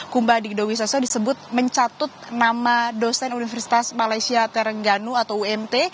kumba digdo wiseso disebut mencatut nama dosen universitas malaysia terengganu atau umt